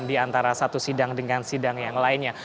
secara satu sidang dengan sidang yang lainnya